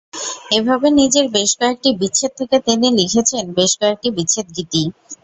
এভাবে নিজের বেশ কয়েকটি বিচ্ছেদ থেকে তিনি লিখেছেন বেশ কয়েকটি বিচ্ছেদগীতি।